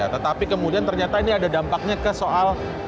tetapi kemudian ternyata ini ada dampaknya ke soal